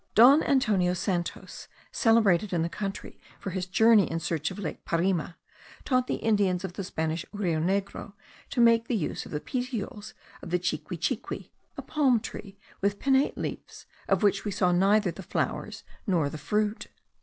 Don Antonio Santos, celebrated in the country for his journey in search of lake Parima, taught the Indians of the Spanish Rio Negro to make use of the petioles of the chiquichiqui, a palm tree with pinnate leaves, of which we saw neither the flowers nor the fruit.